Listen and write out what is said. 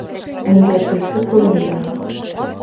Өндәшеүсе күренмәй.